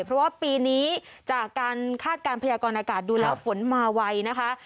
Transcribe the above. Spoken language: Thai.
เพราะว่าปีนี้จากการคาดการณ์พยากรอากาศดูแล้วฝนมาไวนะคะ